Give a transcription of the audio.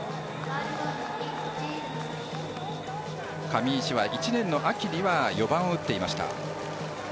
上石は１年の秋には４番を打っていました。